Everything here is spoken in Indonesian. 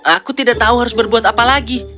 aku tidak tahu harus berbuat apa lagi